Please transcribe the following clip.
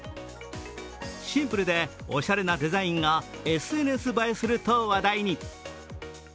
シンプルでオシャレなデザインがＳＮＳ映えすると話題に。